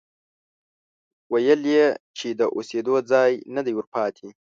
ويل يې چې د اوسېدو ځای نه دی ورپاتې،